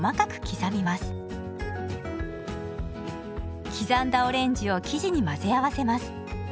刻んだオレンジを生地に混ぜ合わせます。